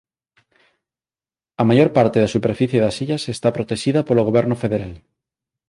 A maior parte da superficie das illas está protexida polo goberno federal.